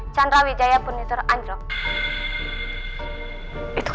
karena satu persatu